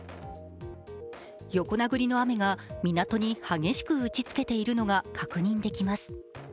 横殴りの雨が港に激しく打ちつけているのが確認できます。